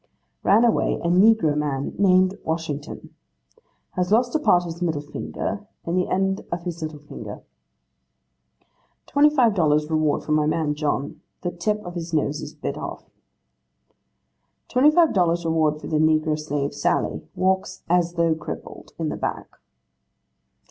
'Ran away, a negro man, NAMED WASHINGTON. Has lost a part of his middle finger, and the end of his little finger.' 'Twenty five dollars reward for my man John. The tip of his nose is bit off.' 'Twenty five dollars reward for the negro slave, Sally. Walks as though crippled in the back.